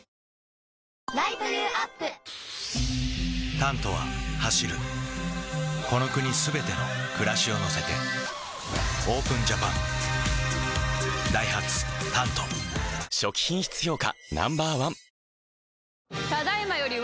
「タント」は走るこの国すべての暮らしを乗せてＯＰＥＮＪＡＰＡＮダイハツ「タント」初期品質評価